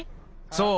そう。